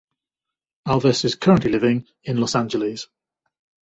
Alves is currently living in Los Angeles.